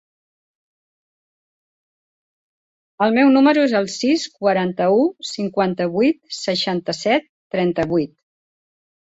El meu número es el sis, quaranta-u, cinquanta-vuit, seixanta-set, trenta-vuit.